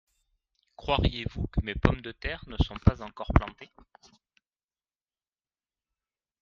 Croiriez-vous que mes pommes de terre ne sont pas encore plantées ?…